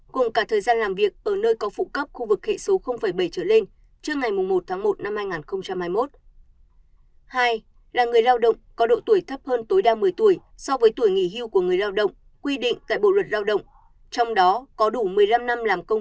cùng cả thời gian làm việc ở nơi có phụ cấp khu vực hệ số bảy trở lên trước ngày một tháng một năm hai nghìn hai mươi một tuổi